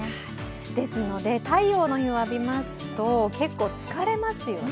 ですので太陽を浴びますので、結構疲れますよね。